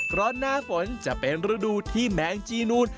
เพราะหน้าฝนจะเป็นฤดูที่แมงจีนูน